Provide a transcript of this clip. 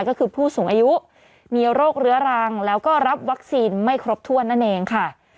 ก็คือผู้สูงอายุมีโรคเรื้อรังแล้วก็รับวัคซีนไม่ครบถ้วนนั่นเองค่ะ